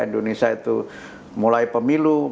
indonesia itu mulai pemilu